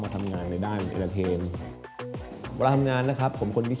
ทำงานเป็นเอ็มซี